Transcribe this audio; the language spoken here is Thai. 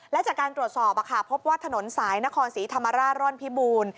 และจากการตรวจสอบพบว่าถนนสายนครศรีธรรมราชร่อนพิบูรณ์